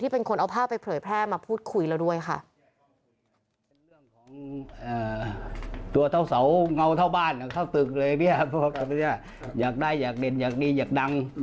เพราะว่าอยากได้อยากเด่นอยากดีอยากดัง